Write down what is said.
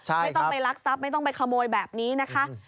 ไม่ต้องไปรักทรัพย์ไม่ต้องไปขโมยแบบนี้นะคะ